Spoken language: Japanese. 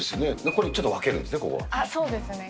これ、ちょっと分けるんですね、そうですね。